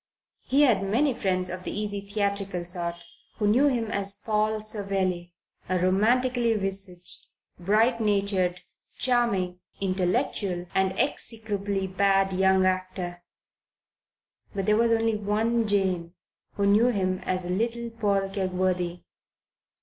He had many friends of the easy theatrical sort, who knew him as Paul Savelli, a romantically visaged, bright natured, charming, intellectual, and execrably bad young actor. But there was only one Jane who knew him as little Paul Kegworthy.